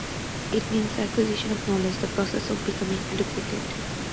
It means The acquisition of knowledge; the process of becoming educated.